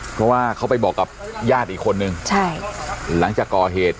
เพราะว่าเขาไปบอกกับญาติอีกคนนึงใช่หลังจากก่อเหตุ